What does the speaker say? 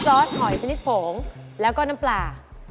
ซอสหอยชนิดโผงแล้วก็น้ำปลา